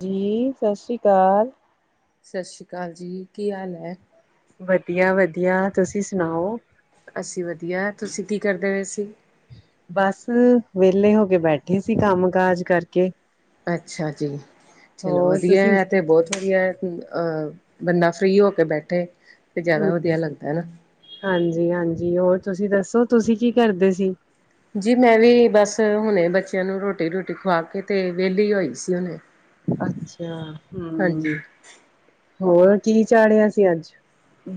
ਜੀ ਸ ਸ਼੍ਰੀ ਕਾਲ ਸ ਸ੍ਰੀ ਕਾਲ ਜੀ ਕੀ ਹਾਲ ਹੈ ਵਧੀਆ ਵਧੀਆ ਤੁਸੀਂ ਸੁਣਾਓ ਅਸੀ ਵਧੀਆ ਤੁਸੀ ਕੀ ਕਰਦੇ ਵੇ ਸੀ ਬਸ ਵਿਹਲੇ ਹੋ ਕੇ ਬੈਠੇ ਸੀ ਕਮ ਕਾਜ ਕਰਕੇ ਅਛਾ ਜੀ ਚਲੋ ਹੋਰ ਵਧੀਆ ਤੁਸੀਂ ਹੈ ਐ ਤੇ ਬਹੁਤ ਵਧੀਆ ਅਹ ਬੰਦਾ ਫ੍ਰਰੀ ਹੋ ਕੇ ਬੈਠੇ ਤੇ ਜ਼ਿਆਦਾ ਵਧੀਆ ਲੱਗਦਾ ਨਾ ਹਾਂਜੀ ਹਾਂਜੀ ਹੋਰ ਤੁਸੀ ਦੱਸੋ ਤੁਸੀ ਕੀ ਕਰਦੇ ਸੀ ਜੀ ਮੈ ਵੀ ਬਸ ਹੁਣੇ ਬੱਚਿਆਂ ਨੂੰ ਰੋਟੀ- ਰੂਟੀ ਖਵਾ ਕੇ ਤੇ ਵਿਹਲੀ ਹੋਈ ਸੀ ਹੁਣੇ ਅਛਾ ਹਮ ਹਾਂਜੀ ਹੋਰ ਕੀ ਚਾੜਿਆ ਸੀ ਅਜ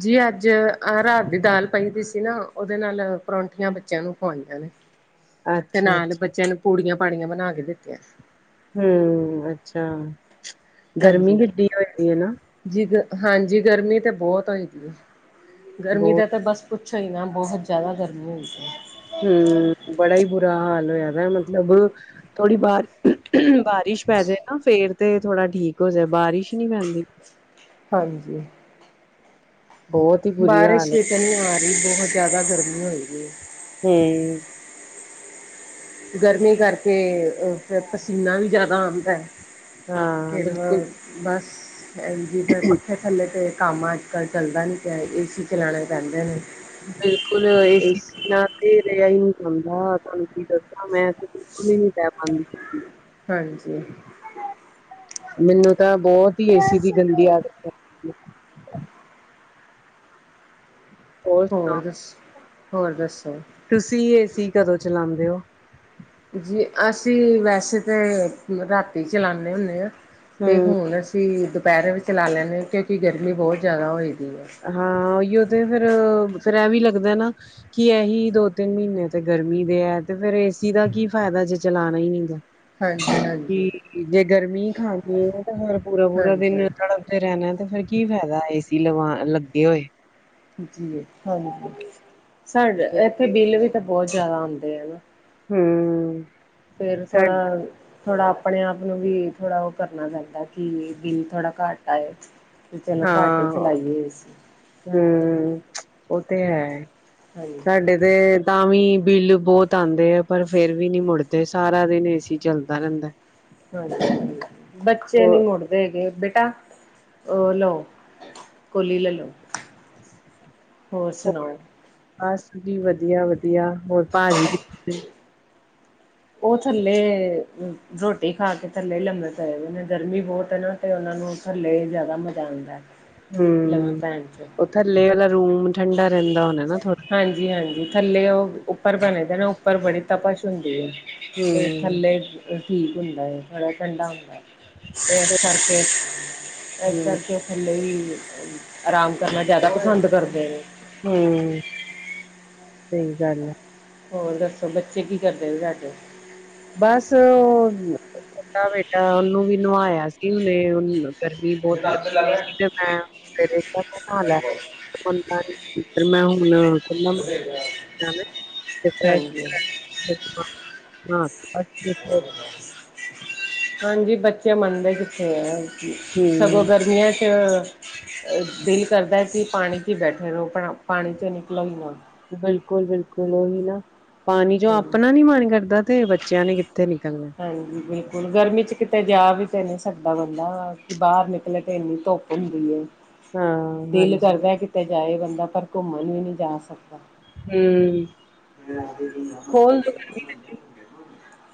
ਜੀ ਅਜ ਅ ਰਾਤ ਦੀ ਦਾਲ ਪਈ ਦੀ ਸੀ ਨਾ ਉਹਦੇ ਨਾਲ ਪਰੌਠੀਆਂ ਬੱਚਿਆਂ ਨੂੰ ਖਵਾਈਆਂ ਨੇ ਤੇ ਅੱਛਾ ਨਾਲ ਅੱਛਾ ਬੱਚਿਆਂ ਨੂੰ ਪੂੜੀਆਂ ਪਾੜੀਆਂ ਬਣਾ ਕੇ ਦਿੱਤੀਆਂ ਹਮ, ਅੱਛਾ ਗਰਮੀ ਹਾਂਜੀ। ਕਿੱਡੀ ਹੋਈ ਪਈ ਹੈ ਨਾ ਜੀ ਗ ਹਾਂਜੀ ਗਰਮੀ ਤੇ ਬਹੁਤ ਹੋਈ ਪਈ ਗਰਮੀ ਬਹੁਤ ਦਾ ਤਾਂ ਬਸ ਪੁਛੋ ਹੀ ਨਾ ਬਹੁਤ ਜ਼ਿਆਦਾ ਗਰਮੀ ਹੋਦੀ ਹੈ। [unintelligible] ਹਮ ਬੜਾ ਹੀ ਬੁਰਾ ਹਾਲ ਹੋਇਆ ਵ ਮਤਲਬ ਥੋੜੀ ਬਾਰ ਬਾਰਿਸ਼ ਪੈ ਜਾਏ ਨਾ ਫੇਰ ਤੇ ਥੋੜਾ ਠੀਕ ਹੋ ਜਾਏ ਬਾਰਿਸ਼ ਹੀ ਨੀ ਪੈਂਦੀ ਹਾਂਜੀ ਬਹੁਤ ਹੀ ਬੁਰੀ ਬਾਰਿਸ਼ ਹਾਲ ਵੀ ਤਾਂ ਨਹੀਂ ਆ ਰਹੀ ਬਹੁਤ ਜਿਆਦਾ ਗਰਮੀ ਹੋਏਗੀ। ਹਮ ਗਰਮੀ ਕਰਕੇ ਫਿਰ ਪਸੀਨਾ ਵੀ ਜ਼ਿਆਦਾ ਆਉਂਦੈ ਦੀ ਹਾਂ ਫਿਰ ਬਿਲਕੁਲ ਬਸ ਐਲ ਜੀ ਫ ਪੱਖੇ ਥੱਲੇ ਤੇ ਕੰਮ ਅਜ ਚੱਲਦਾ ਨੀ ਪਿਆ ਏਸੀ ਚਲਾਉਣੇ ਪੈਂਦੇ ਨੇ ਬਿਲਕੁਲ ਏਸੀ ਇਸ ਬਿਨਾਂ ਤੇ ਰੇਹਾ ਹੀ ਨੀ ਜਾਂਦਾ ਤੁਹਾਨੂੰ ਕੀ ਦੱਸਾਂ ਮੈਂ ਤੇ ਬਿਲਕੁਲ ਹੀ ਨੀ ਪਾਂਦੀ ਹਾਂਜੀ ਮੈਨੂੰ ਤਾਂ ਬਹੁਤ ਹੀ ਏਸੀ ਦੀ ਗੰਦੀ ਆਦਤ ਪ [unintelligible] ਹੋਰ ਦੱਸ ਹੋਰ ਦੱਸੋ? ਤੁਸੀਂ ਏਸੀ ਕਦੋਂ ਚਲਾਉਂਦੇ ਓ? ਜੀ ਅਸੀਂ ਵੈਸੇ ਤਾਂ ਰਾਤੀ ਚਲਾਦੇ ਹੁੰਦੇ ਹਾਂ ਅਤੇ ਹੂੰ ਹੁਣ ਅਸੀਂ ਅਸੀਂ ਦੁਪਹਿਰ ਵੀ ਚਲਾ ਲੈਂਦੇ ਕਿਉਂਕਿ ਗਰਮੀ ਬਹੁਤ ਜ਼ਿਆਦਾ ਹੋ ਜਾਂਦੀ ਏ ਹਾਂ ਉਹੀਓ ਤੇ ਫੇਰ ਫਿਰ ਐਵੈਂ ਲੱਗਦਾ ਨਾ। ਕੀ ਇਹੀ ਦੋ ਤਿੰਨ ਮਹੀਨੇ ਤੇ ਗਰਮੀ ਦੇ ਹੈ ਤੇ ਫੇਰ ਏਸੀ ਦਾ ਕੀ ਫਾਇਦਾ ਜੇ ਚਲਾਣਾ ਹੀ ਨਹੀਂ ਦਾ ਹਾਂਜੀ ਹਾਂਜੀ ਜੇ [unintelligible] ਗਰਮੀ ਖਾਂਦੀ ਹੈ ਤਾਂ। ਹਰ ਪੂਰਾ ਪੂਰਾ ਦਿਨਾ। ਹਾਂਜੀ [unintelligible] ਰਹਿਣਾ ਤੇ ਫੇਰ ਕੀ ਫਾਇਦਾ ਏਸੀ ਲਵਾ ਲੱਗੇ ਹੋਏ ਜੀ, ਹਾਂਜੀ ਸਾਡੇ ਇੱਥੇ ਬਿੱਲ ਵੀ ਤਾਂ ਬਹੁਤ ਜ਼ਿਆਦਾ ਆਉਂਦੇ ਆ ਨਾ। ਹਮ। ਫੇਰ ਥੋੜ੍ਹਾ ਥੋੜਾ ਅਪਣੇ ਆਪ ਨੂੰ ਵੀ ਥੋੜ੍ਹਾ ਉਹ ਕਰਨਾ ਪੈਂਦਾ, ਕਿ ਬਿੱਲ ਥੋੜਾ ਘਟ ਆਏ। ਵੀ ਚਲੋ, ਘੱਟ ਹਾਂ ਚਲਾਈਏ ਏਸੀ। ਹੂੰ ਉਹ, ਤੇ ਹੈ, ਸਾਡੇ ਤੇ ਤਾਂ ਵੀ ਬਿੱਲ ਬਹੁਤ ਆਉਂਦੇ ਅ। ਪਰ ਫੇਰ ਵੀ ਨੀ ਮੁੜਦੇ, ਸਾਰਾ ਦਿਨ ਏ ਸੀ, ਚੱਲਦਾ ਰਹਿੰਦਾ। ਹਾਂਜੀ, ਬੱਚੇ ਨੀ ਹੋਰ ਮੁੜ ਗੇ ਬੇਟਾ, ਉਹ ਲੋ, ਕੋਲੀ ਲੈ ਲਓ। ਹੋਰ, ਸੁਣਾਓ। ਬਸ ਜੀ, ਵਧੀਆ-ਵਧੀਆ। ਹੋਰ ਭਾਜੀ, ਕਿਥੇ? ਉਹ ਥੱਲੇ ਰੋਟੀ ਖਾ ਕੇ ਥੱਲੇ ਲੰਮੇ ਪਏ ਦੇ ਨੇ। ਗਰਮੀ ਬਹੁਤ ਏ ਨਾ। ਤੇ ਉਹਨਾਂ ਨੂੰ ਥੱਲੇ ਜ਼ਿਆਦਾ ਮਜ਼ਾ ਆਉਂਦਾ, ਲੰਮੇ ਹੂੰ ਪੈਣ 'ਚ। ਉਹ ਥੱਲੇ ਵਾਲਾ ਰੂਮ ਠੰਡਾ ਰਹਿੰਦਾ ਹੋਣਾ ਨਾ। ਥੋੜਾ। ਹਾਂਜੀ-ਹਾਂਜੀ ਥੱਲੇ ਉਹ ਉੱਪਰ ਬਣੇ ਜਾ ਨਾ ਉੱਪਰ ਬੜੇ। ਤਪਸ਼ ਹੁੰਦੀ ਹੈ। ਤੇ ਹੂੰ, ਥੱਲੇ ਠੀਕ ਹੁੰਦਾ, ਥੋੜ੍ਹਾ ਠੰਡਾ ਹੁੰਦਾ। ਇਸ ਕਰਕੇ, ਇਸ ਹੂੰ, ਕਰਕੇ। ਥੱਲੇ ਹੀ ਆਰਾਮ ਕਰਨਾ ਜ਼ਿਆਦਾ ਪਸੰਦ ਕਰਦੇ ਨੇ। ਹਮ। ਸਹੀ ਗੱਲ ਹੈ। ਹੋਰ ਦੱਸੋ ਬੱਚੇ ਕੀ ਕਰਦੇ ਤੁਹਾਡੇ। ਬਸ ਓਹ ਬੇਟਾ ਉਹਨੂੰ ਵੀ ਨਵਾਇਆ ਸੀ ਉਹਨੇ। ਗਰਮੀ ਬਹੁਤ ਲੱਗਦੀ ਪਈ ਸੀ, ਤੇ ਮੈਂ ਮੇਰੇ ਕੋਲੋ ਨਹਾ ਲੈ। ਮੈਂ ਹੁਣ ਖ [unintelligible] ਹਾਂਜੀ [unintelligible] ਹਾਂਜੀ, ਬੱਚੇ ਮੰਨਦੇ ਕਿੱਥੇ ਐ। ਸਗੋਂ, ਹੂੰ ਗਰਮੀਆਂ 'ਚ ਅ ਦਿਲ ਕਰਦਾ ਕਿ ਪਾਣੀ 'ਚ ਹੀ ਬੈਠੇ ਰਹੋ, ਪਾਣੀ ਚੋਂ ਨਿਕਲੋ ਈ ਨਾ। ਬਿਲਕੁਲ-ਬਿਲਕੁਲ, ਉਹੀ ਨਾ, ਪਾਣੀ 'ਚੋ' ਆਪਣਾ ਨੀ ਮਨ ਕਰਦਾ। ਤੇ ਬੱਚਿਆਂ ਨੇ, ਕਿੱਥੋ ਨਿਕਲਣਾ। ਹਾਂਜੀ, ਬਿਲਕੁਲ। ਗਰਮੀ 'ਚ ਕਿਤੇ ਜਾ ਵੀ ਤੇ ਨੀ ਸਕਦਾ ਬੰਦਾ। ਕਿ ਬਾਹਰ ਨਿਕਲੇ ਤੇ ਇੰਨੀ ਧੁੱਪ। ਹੁੰਦੀ ਐ। ਹਾਂ ਦਿਲ ਹਾਂਜੀ ਕਰਦਾ ਕਿਤੇ ਜਾਏ ਬੰਦਾ, ਪਰ ਘੁੰਮਣ ਵੀ ਨੀ ਜਾ ਸਕਦਾ। ਹੁੰ।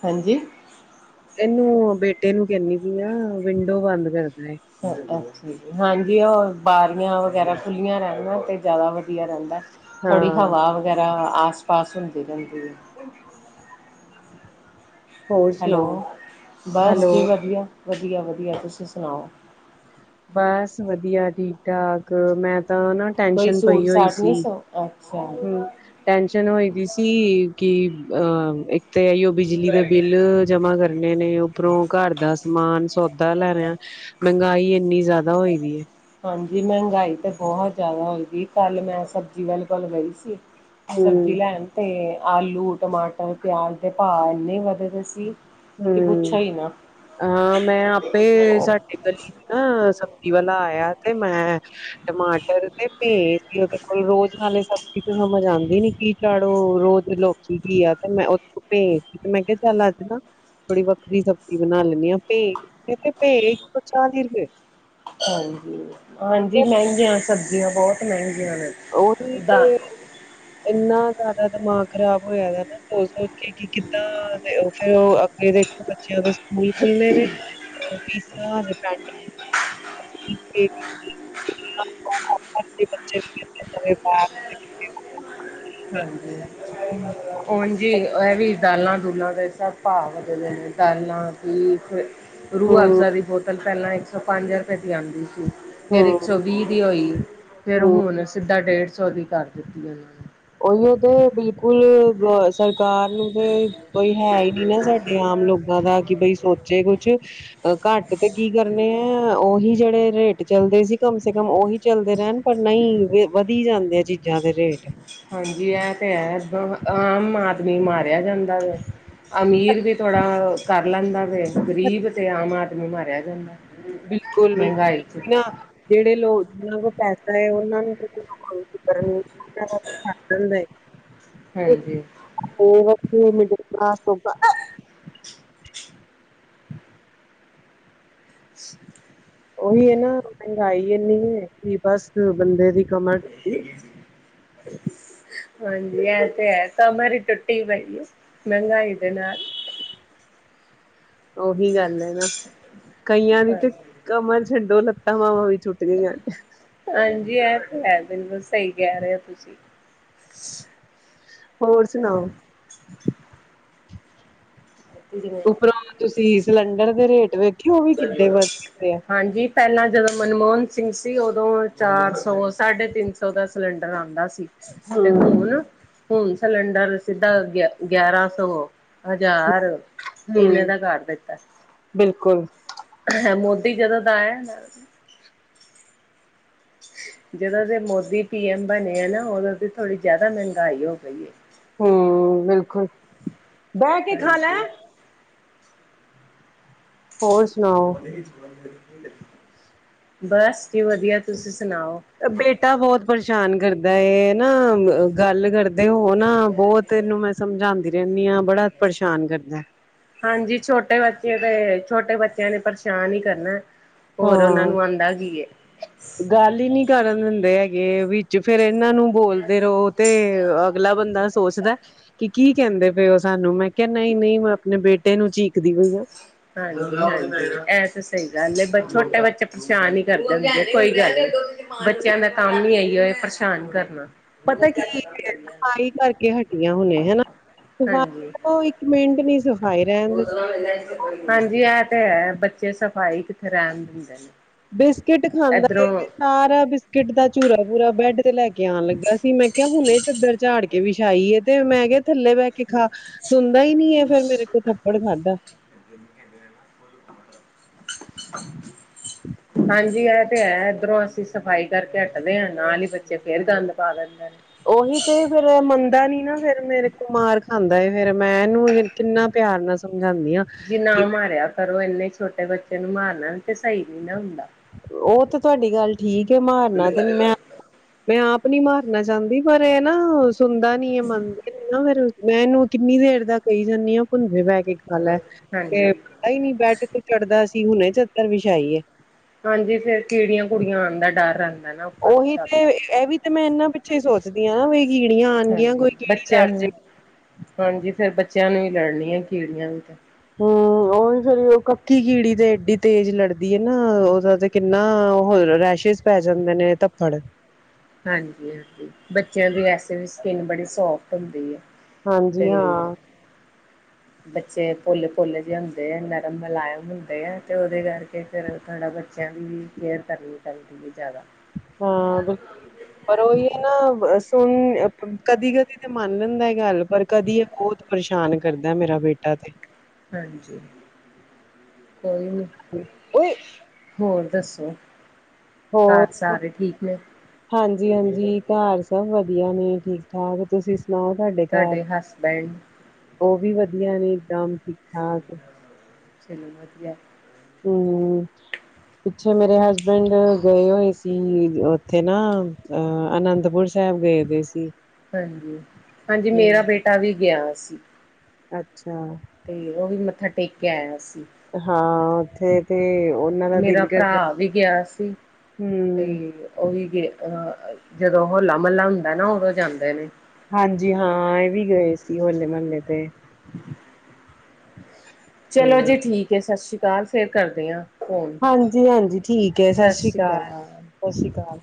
ਹਾਂਜੀ। ਇਹਨੂੰ, ਬੇਟੇ ਨੂੰ ਕਹਿੰਨੀ ਪਈ ਆ, ਵਿੰਡੋ ਬੰਦ ਕਰ ਦੇ। ਹਾਂਜੀ, ਉਹ ਬਾਰੀਆਂ ਵਗੈਰਾ ਖੁੱਲੀਆਂ ਰਹਿਣ ਨਾ, ਤੇ ਜ਼ਿਆਦਾ ਵ ਵਧੀਆ ਰਹਿੰਦਾ। ਥੋੜ੍ਹੀ ਹਾਂ ਹਵਾ ਵਗੈਰਾ ਆਸ-ਪਾਸ ਹੁੰਦੀ ਰਹਿੰਦੀ ਏ। [inaudible] ਹੋਰ ਹੈਲੋ, ਸੁਣਾਓ ਬਸ ਜੀ ਹੈਲੋ ਵਧੀਆ, ਵਧੀਆ-ਵਧੀਆ ਤੁਸੀਂ ਸੁਣਾਓ। ਬਸ ਵਧੀਆ, ਠੀਕ-ਠਾਕ, ਮੈਂ ਤਾਂ ਨਾ ਕੋਈ ਟੈਂਨਸ਼ਨ ਪਈ ਸੂਟ ਹੋਈ ਸਾਟ ਨਹੀਂ ਸੀ, ਸ ਅੱਛਾ ਹੁੰ। ਟੈਨਸ਼ਨ ਹੋਏ ਦੀ ਸੀ, ਕਿ ਅ ਇੱਕ ਤਾਂ ਅਈਯੋ ਬਿਜਲੀ ਦੇ ਬਿੱਲ ਜਮਾ ਕਰਨੇ ਨੇ। ਉੱਪਰੋਂ ਘਰ ਦਾ ਸਮਾਨ-ਸੌਦਾ ਲੈਣਾ, ਮਹਿੰਗਾਈ ਇੰਨੀ ਜ਼ਿਆਦਾ, ਹੋਈ ਦੀ ਏ। ਹਾਂਜੀ, ਮਹਿੰਗਾਈ ਤਾਂ ਬਹੁਤ ਜ਼ਿਆਦਾ ਹੋਏ ਦੀ। ਕੱਲ੍ਹ ਮੈਂ ਸਬਜ਼ੀ ਵਾਲੇ ਕੋਲ ਗਈ ਸੀ। ਸਬਜ਼ੀ ਹੂੰ ਲੈਣ, ਤੇ ਆਲੂ, ਟਮਾਟਰ, ਪਿਆਜ਼ ਦੇ ਪਾਂ ਇੰਨੇ ਵਧਦੇ ਸੀ। ਕਿ ਪੁੱਛੋ ਹੁੰ, ਹੀ ਨਾ ਹਾਂ ਮੈਂ ਆਪੇ ਸਾ ਗਲੀ 'ਚ ਨਾ ਸਬਜ਼ੀ ਵਾਲਾ ਆਇਆ, ਤੇ ਮੈਂ ਟਮਾਟਰ ਤੇ ਪਏ ਸੀ, ਉਹਦੇ ਕੋਲ। ਰੋਜ਼ ਨਾਲੇ ਸਬਜ਼ੀ, ਤੇ ਮੰਗਵਾਉਦੀ ਨੀ ਕੀ ਝਾੜੂ ਰੋਜ਼ ਲੋਕੀ ਘਿਆ, ਤੇ ਮੈਂ ਉਥੋ, ਪਏ ਤੇ ਮੈਂ ਕਿਹਾ, ਚੱਲ ਅੱਜ ਨਾ ਥੋੜੀ ਵੱਖਰੀ ਸਬਜ਼ੀ ਬਣਾ ਲੈਂਦੀ ਆਂ। ਭੇ, ਭੇ ਇੱਕ ਸੌ ਚਾਲੀ ਰੁਪਏ ਹਾਂਜੀ ਹਾਂਜੀ ਮਹਿੰਗੀਆਂ ਸਬਜ਼ੀਆਂ ਬਹੁਤ ਮਹਿੰਗੀਆਂ ਨੇ। ਉਹੀ ਦਾ ਤੇ ਇੰਨਾ ਜ਼ਿਆਦਾ ਦਿਮਾਗ ਖਰਾਬ ਹੋਇਆ ਨਾ। ਸੋਚ ਸੋਚ ਕੇ ਕਿ ਕਿੱਦਾਂ ਫੇਰ ਅੱਗੇ ਦੇਖੋ ਬੱਚਿਆਂ ਦੇ। ਸਕੂਲ ਖੁਲਣੇ ਪੀਾ ਪ। ਬੇ। ਹਾਂਜੀ ਹਜੀ ਇਹ ਵੀ। ਦਾਲਾਂ ਦੁਲਾਂ ਦਾ ਇਸਭ ਭਾਅ ਵੱਧਦੇ ਨੇ ਦਾਲਾਂ ਦੀ ਫ ਰੂਹ ਹੂੰ, ਅਫ਼ਜ਼ਾ ਦੀ ਬਹੁਤ। ਤਲ ਪਹਿਲਾਂ ਇੱਕ ਸੌ ਪੰਜ ਰੁਪਏ ਦੀ ਆਉਂਦੀ ਸੀ ਫਿਰ ਇੱਕ ਹੂੰ, ਸੌ ਵੀਹ ਦੀ ਹੋਈ। ਫੇਿਰ ਹੂੰ ਹੁਣ ਸਿੱਧਾ ਡੇਢ ਸੌ ਦੀ ਕਰ ਦਿੱਤੀ ਇਹਨਾਂ ਨੇ। ਉਹੀਆਂ ਤੇ ਬਿਲਕੁਲ। ਸਰਕਾਰ ਨੂੰ ਤੇ ਕੋਈ ਹੈ ਹੀ ਨੀ ਨਾ ਸਾਡੇ ਆਮ ਲੋਕਾਂ ਦਾ ਕਿ ਬਈ ਸੋਚੇ ਕੁਛ। ਅ ਘੱਟ ਤੇ ਕੀ ਕਰਨੇ ਆ ਉਹੀ ਜਿਹੜੇ ਰੇਟ। ਚੱਲਦੇ ਸੀ, ਕਮ ਸੇ ਕਮ ਔਹੀ ਚੱਲਦੇ ਰੈਣ। ਪਰ ਨਈ, ਵਧੀ ਜਾਂਦੇ ਆ ਚੀਜ਼ਾਂ ਦੇ ਰੇਟ। ਹਾਂਜੀ, ਐ, ਤੇ ਹੈ, ਏਦਾਂ ਆਮ ਆਦਮੀ ਮਾਰਿਆ ਜਾਂਦਾ ਵੇ। ਅਮੀਰ ਵੀ ਥੋੜ੍ਹਾ ਕਰ ਲੈਂਦਾ ਵੇ। ਗਰੀਬ ਅਤੇ ਆਮ ਆਦਮੀ ਮਾਰਿਆ ਜਾਂਦਾ। ਬਿਲਕੁਲ-ਬਿਲਕੁਲ, ਮਹਿੰਗਾਈ ਚ ਨਾ ਜੇੜੇ ਲੋਕ ਜਿਨਾਂ ਕੋਲ ਪੈਸਾ ਏ, ਔਨਾਂ ਨੂੰ ਤੇ ਕੋਈ ਫਿਕਰ ਨੀ। ਹਾਂਜੀ। [unintelligible] [unintelligible] [unintelligible] ਔਹੀ ਏ ਨਾ, ਮਹਿੰਗਾਈ ਏਨੀ ਏ, ਕਿ ਬਸ ਬੰਦੇ ਦੀ ਕਮਰ। ਟੁੱਟੀ [inaudible] ਹਾਂਜੀ ਐ, ਤੇ ਹੈ, ਕਮਰ ਈ ਟੁੱਟੀ ਪਈ ਏ ਮਹਿੰਗਾਈ ਦੇ ਨਾਲ। ਔਹੀ ਗੱਲ ਹੈ ਨਾ, ਕਈਆਂ ਦੀ ਤੇ ਕਮਰ ਛਡੋ, ਲੱਤਾ-ਬਾਵਾਂ ਵੀ ਗਈਆਂ ਨੇ। ਹਾਂਜੀ, ਐ ਤੇ ਹੈ। ਬਿਲਕੁਲ, ਸਹੀ ਕਹਿ ਰਹੇ ਹੋ ਤੁਸੀਂ। ਹੋਰ ਸੁਣਾਓ। ਉਪਰੋਂ ਤੁਸੀਂ ਸਿਲੰਡਰ ਦੇ ਰੇਟ ਵੇਖਿ ਉਹ ਵੀ ਕਿੱਨੇ ਵੱਧ ਜਾਂਦੇ ਆ। ਹਾਂਜੀ ਪਹਿਲਾਂ ਜਦੋਂ ਮਨਮੋਹਨ ਸਿੰਘ ਸੀ ਉਦੋਂ ਚਾਰ ਸੌ ਸਾਢੇ ਤਿੰਨ ਸੌ ਦਾ ਸਿਲੰਡਰ ਆਉਂਦਾ ਸੀ। ਹਮ ਤੇਖੂਣ। ਹੁਣ ਸਿਲੰਡਰ ਸਿੱਧਾ ਗਿਆ ਗਿਆਰਾਂ ਸੌ ਹਜ਼ਾਰ। ਇਹਨੇ ਹਮ ਦਾ ਕਰ ਦਿੱਤਾ। ਬਿਲਕੁਲ। ਹ ਮੋਦੀ ਜਦੋਂ ਦਾ ਆਇਆ। ਜਦੋਂ ਦੇ ਮੋਦੀ ਪੀ ਐਮ ਬਣੇ ਆ ਨਾ ਉਦੋਂ ਦੀ ਥੋੜ੍ਹੀ ਜਿਆਦਾ ਮਹਿੰਗਾਈ ਹੋ ਗਈ ਹੈ। ਹਮ ਬਿਲਕੁਲ ਬਹਿ ਕੇ ਖਾ ਲੈ। ਹਾਂਜੀ ਹੋਰ ਸੁਣਾ। ਬਸ ਕੀ ਵਧੀਆ ਤੁਸੀਂ ਸੁਣਾਓ। ਬੇਟਾ ਬਹੁਤ ਪਰੇਸ਼ਾਨ ਕਰਦਾ ਨਾ ਗੱਲ ਕਰਦਾ। ਤੇ ਉਹ ਨਾ ਬਹੁਤ ਇਹਨੂੰ ਮੈਂ ਸਮਝਾਉਂਦੀ ਰਹਿੰਦੀ ਹਾਂ ਬੜਾ ਪਰੇਸ਼ਾਨ ਕਰਦਾ। ਹਾਂਜੀ ਛੋਟੇ ਬੱਚੇ ਤੇ ਛੋਟੇ ਬੱਚਿਆਂ ਨੇ ਪਰੇਸ਼ਾਨ ਹੀ ਕਰਨਾ। ਹੋਰ ਹਾਂ ਉਹਨਾਂ ਨੂੰ ਆਉਂਦਾ ਕੀ। ਗੱਲ ਹੀ ਨਹੀਂੀ ਕਰਨ ਦਿੰਦੇ ਹੈਗੇ ਵਿੱਚ ਫੇਿਰ ਇਹਨਾਂ ਨੂੰ ਬੋਲਦੇ ਰਹੋ ਤੇ। ਅਗਲਾ ਬੰਦਾ ਸੋਚਦਾ। ਕਿ ਕੀ ਕਹਿੰਦੇ ਪਏ ਉਹ ਸਾਨੂੰ ਮੈਂ ਕਿਹਾ ਨਹੀਂ ਨਹੀਂ ਮੈਂ ਆਪਣੇ ਬੇਟੇ ਨੂੰ ਚੀਕਦੀ ਹੋਈ ਆ। ਹਾਂਜੀ ਹਾਂਜੀ ਇਹ ਤਾਂ ਸਹੀ ਗੱਲ ਹੈ ਛੋਟੇ ਬੱਚੇ ਪਰੇਸ਼ਾਨ ਹੀ ਕਰਦੇ ਹੁੰਦੇ ਕੋਈ ਗੱਲ। ਬੱਚਿਆਂ ਦਾ ਕੰਮ ਨੀ ਆਈ ਹੋ ਪਰੇਸ਼ਾਨ ਕਰਨਾ। ਪਤਾ ਕੀ ਹੈ ਸਫ਼ਾਈ ਕਰਕੇ ਹਟੀਆਂ ਹੁਣੇ ਹਨਾ ਹਾਂਜੀ। ਸਾਈ। ਮਿੰਟ ਨੀ ਸ। ਹਾਂਜੀ ਇਹ ਤੇ ਹੈ ਬੱਚੇ ਸਫ਼ਾਈ ਕਿੱਥੇ ਰਹਿਣ ਦਿੰਦੇ ਨੇ। ਬਿਸਕਿਟ ਖਾਂਦਾ ਹੈ। ਇੱਧਰੋਂ ਸਾਰਾ ਬਿਸਕਿਟ ਦਾ ਚਝੂਰਾ ਪੂਰਾ ਬ੍ਰੈਡ ਤੇ ਲੈ ਕੇ ਆਉਣ ਲੱਗਾ ਸੀ ਮੈਂ ਕਿਹਾ ਹੁਣੇ ਪੱਧਰ ਝਾੜ ਕੇ। ਕੇ ਵਿਛਾਈਏ ਤੇ ਮੈਂ ਕਿਹਾ ਥੱਲੇ ਬਹਿ ਕੇ ਖਾ ਸੁਣਦਾ ਹੀ ਨੀ ਹੈ ਫੇਰ ਮੇਰੇ ਕੋਲ ਥੱਪੜ ਖਾਧਾ। ਗੇਮ ਖੇਡਦੇ ਹਨ। ਹਾਂਜੀ ਆ ਓਹ ਤੇ ਹੈ ਇਧਰੋਂ ਅਸੀਂ ਸਫ਼ਾਈ ਕਰਕੇ ਹਟਦੇ ਹਾਂ ਨਾਲ ਹੀ ਬੱਚੇ ਫੇਰ ਗੰਦ ਪਾ ਦਿੰਦੇ ਨੇ। ਉਹੀ ਤੇ ਫੇਰ ਮੰਨਦਾ ਨੀ ਨਾ ਫੇਰ ਮੇਰੇ ਕੁ ਮਾਰ ਖਾਂਦਾ ਫੇਰ ਮੈਂ ਇਹਨੂੰ। ਕਿੰਨਾ ਪਿਆਰ ਨਾਲ ਸਮਝਾਉਂਦੀ ਹਾਂ। ਜੀ ਨਾ ਕਿ ਮਾਰਿਆ ਕਰੋ ਇੰਨੇ ਛੋਟੇ ਬੱਚੇ ਨੂੰ ਮਾਰਨਾ ਤੇ ਸਹੀ ਨੀ ਨਾ ਹੁੰਦਾ ਉਹ ਤੇ ਤੁਹਾਡੀ ਗੱਲ ਠੀਕ ਹੈ ਮਾਰਨਾ ਤੇ ਨੀ ਮੈਂ ਮੈਂ ਆਪ ਨੀ ਮਾਰਨਾ ਚਾਹੁੰਦੀ ਪਰ ਇਹ ਨਾ ਸੁਣਦਾ ਨੀ ਮੰਨਦੇ ਨੀ ਨਾ ਫਿਰ ਮੈਂ ਇਹਨੂੰ ਕਿੰਨੀ ਦੇਰ ਦਾ ਕਹੀ ਜਾਂਦੀ ਆ ਭੁੰਜੈ ਬਹਿ ਕੇ ਖਾਲਾ ਤੇ ਹਾਂਜੀ, ਆਈ ਨੀ ਬੈਠ ਕੇ ਚੜ੍ਹਦਾ ਸੀ ਹੁਣੇ ਚੱਦਰ ਵਿਛਾਈ ਏ। ਹਾਂਜੀ ਫੇਰ ਕਿਹੜੀਆਂ ਕੁੜੀਆਂ ਆਉਣ ਦਾ ਡਰ ਰਹਿੰਦਾ ਨਾ। ਉੱਪਰ ਉਹੀ ਛੱਤ ਤੇ ਇਹ ਵੀ ਤੇ ਮੈਂ ਇਹਨਾਂ ਪਿੱਛੇ ਸੋਚਦੀ ਹਾਂ ਨਾ ਵੀ ਕੀੜੀਆਂ ਆਉਣਗੀਆਂ ਹਾਂਜੀ ਕੋਈ ਕੀੜੀ ਬੱਚਿਆਂ ਲੜ ਨੂੰ ਜਾਗੀ। ਹਾਂਜੀ ਫੇਰ ਬੱਚਿਆਂ ਨੂੰ ਵੀ ਲੜਨੀ ਆ ਕੀੜੀਆਂ ਵੀ ਤੇ। ਹਾਂ। ਉਹ ਵੀ ਫਿਰ ਉਹ ਕੱਕੀ ਕੀੜੀ ਤੇ ਏਡੀ ਤੇਜ਼ ਲੜਦੀ ਹੈ ਨਾ ਉਹਦਾ ਤੇ ਕਿੰਨਾ ਉਹ ਰੈਸ਼ਿਸ। ਪੈ ਜਾਂਦੇ ਨੇ ਧੱਪੜ। ਹਾਂਜੀ ਹਾਂਜੀ ਬੱਚਿਆਂ ਦੀ ਵਸੇ ਵੀ ਸਕਿੰਨ ਬੜੀ ਸੋਫਟ ਹੁੰਦੀ ਆ। ਹਾਂਜੀ ਤੇਹੀ ਹੈ। ਹਾਂ ਬੱਚੇ ਪੋਲੇ ਪੋਲੇ ਜ ਹੁੰਦੇ ਆ ਨਰਮ ਮੁਲਾਇਮ ਹੁੰਦੇ ਆ ਤੇ ਉਹਦੇ ਕਰਕੇ ਫਿਰ ਥੋੜ੍ਹਾ ਬ। ਬੱਚਿਆਂ ਦੀ ਵੀ ਕੇਅਰ ਕਰਨੀ ਚਾਹੀਦੀ ਹੈ ਜ਼ਿਆਦਾ। ਹਾਂ ਬੁ ਪਰ ਉਹੀ ਹੈ ਨਾ ਸੁਣ। ਕਦੀ ਕਦੀ ਤੇ ਮੰਨ ਲੈਂਦਾ ਗੱਲ ਪਰ ਕਦੀ ਇਹ ਬਹੁਤ ਪਰੇਸ਼ਾਨ ਕਰਦਾ ਮੇਰਾ ਬੇਟਾ ਤੇ। ਹਾਂਜੀ ਕੋਈ ਨੀ ਓਏ ਹੋਰ ਦੱਸੋ। ਹੋਰ। ਘਰ ਸਾਰੇ ਠੀਕ ਨੇ ਹਾਂਜੀ ਹਾਂਜੀ ਘਰ ਸਭ ਵਧੀਆ ਨੇ ਠੀਕ ਠਾਕ ਤੁਸੀਂ ਸੁਣਾਓ ਤੁਹਾਡੇ ਘਰ ਉਹ ਵੀ ਵਧੀਆ ਨੇ ਇਕਦਮ ਠੀਕ ਠਾਕ ਚਲੋ ਵਧੀਆ। ਹਮ। ਪਿੱਛੇ ਮੇਰੇ ਹਸਬੈਂਡ ਗਏ ਹੋਏ ਸੀ ਉੱਥੇ ਨਾ ਅਹ ਅਨੰਦਪੁਰ ਸਾਹਿਬ ਗਏ ਦੇ ਸੀ। ਹਾਂਜੀ ਹਾਂਜੀ ਮੇਰਾ ਹੂੰ ਬੇਟਾ ਵੀ ਗਿਆ ਸੀ। ਅੱਛਾ। ਤੇ ਉਹ ਵੀ ਮੱਥਾ ਟੇਕ ਕੇ ਆਇਆ ਸੀ। ਹਾਂ ਉੱਥੇ ਤੇ ਉਹਨਾਂ ਦਾ ਮੇਰਾ ਦਿਲ ਕਰਦਾ ਭਰਾ ਵੀ ਹਮ ਉਹੀ ਅ ਜਦੋਂ ਹੋਲਾ ਮਹੱਲਾ ਹੁੰਦਾ ਨਾ ਉਦੋਂ ਜਾਂਦੇ ਨੇ। ਹਾਂਜੀ ਹਾਂ ਇਹ ਵੀ ਗਏ ਸੀ ਹੋਲੇ ਮਹੱਲੇ ਤੇ। [inaudible] ਚਲੋ ਜੀ ਠੀਕ ਹੈ ਸਤਿ ਸ਼੍ਰੀ ਅਕਾਲ ਫੇਰ ਕਰਦੀ ਹਾਂ। ਫੋਨ ਹਾਂਜੀ ਹਾਂਜੀ ਠੀਕ ਹੈ ਸਤਿ ਸ਼੍ਰੀ ਅਕਾਲ ਸਤਿ ਸ਼੍ਰੀ ਅਕਾਲ।